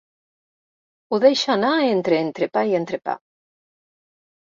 Ho deixa anar entre entrepà i entrepà.